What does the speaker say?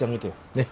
ねっ。